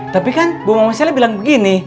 tapi kan bu mama sele bilang begini